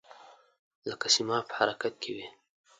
لکه سیماب په حرکت کې وي.